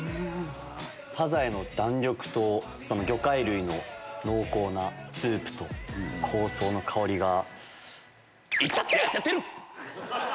サザエの弾力と魚介類の濃厚なスープと香草の香りが。